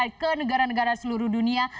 baik ke negara negara seluruh dunia